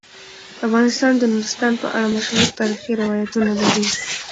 افغانستان د نورستان په اړه مشهور تاریخی روایتونه لري.